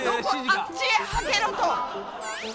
あっちへはけろと。